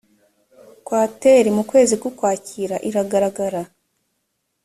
kwateri mu kwezi k ukwakira iragaragara